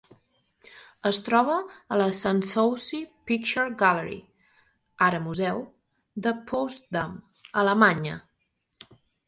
Es troba a la Sanssouci Picture Gallery, ara museu, de Potsdam, Alemanya.